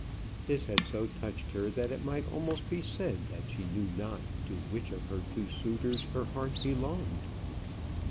This had so touched her that it might almost be said that she knew not to which of her two suitors her heart belonged.